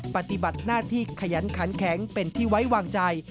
ปฏิบัติหน้าที่ขยันขันแข็งเป็นที่ไว้วางใจ